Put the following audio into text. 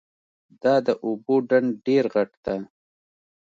دا د اوبو ډنډ ډېر غټ ده